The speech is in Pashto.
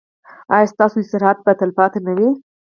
ایا ستاسو استراحت به تلپاتې نه وي؟